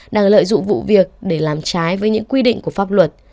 đang lợi dụng vụ việc để làm trái với những quy định của pháp luật